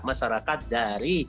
organisasi profesi kepada masyarakat